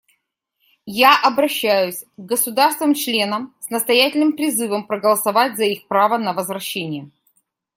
Я обращаюсь к государствам-членам с настоятельным призывом проголосовать за их право на возвращение.